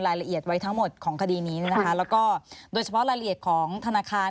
รายละเอียดไว้ทั้งหมดของคดีนี้นะคะแล้วก็โดยเฉพาะรายละเอียดของธนาคาร